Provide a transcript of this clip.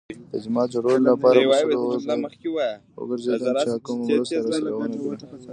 د جماعت جوړولو لپاره په سلو وگرځېدم. چا کومه مرسته راسره ونه کړه.